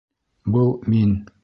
Был мин.